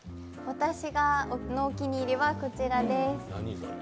私のお気に入りはこちらです。